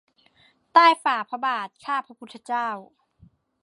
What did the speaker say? ใต้ฝ่าพระบาท ข้าพระพุทธเจ้า